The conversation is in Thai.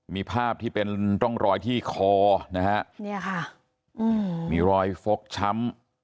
มีภาพที่เป็นร่องรอยที่คอนะฮะเนี่ยค่ะมีรอยฟกช้ำ